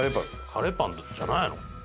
カレーパンじゃないの？